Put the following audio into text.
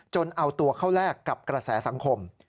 เอาตัวเข้าแลกกับกระแสสังคม